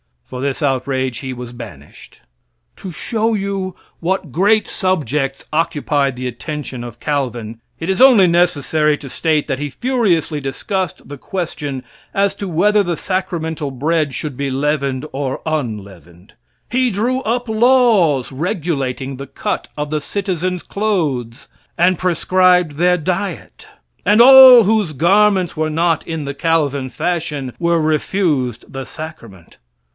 For this outrage he was banished. To show you what great subjects occupied the attention of Calvin, it is only necessary to state, that he furiously discussed the question, as to whether the sacramental bread should be leavened or unleavened. He drew up laws regulating the cut of the citizens' clothes, and prescribed their diet, and all whose garments were not in the Calvin fashion were refused the sacrament.